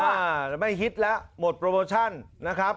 อ่าไม่ฮิตแล้วหมดโปรโมชั่นนะครับ